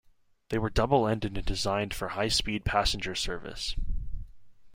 They were double-ended and designed for high-speed passenger service.